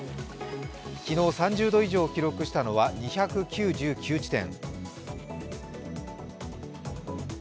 昨日、３０度以上を記録したのは２９９地点。